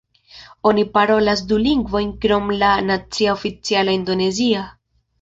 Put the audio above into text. Oni parolas du lingvojn krom la nacia oficiala indonezia.